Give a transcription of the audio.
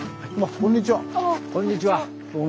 ・こんにちは。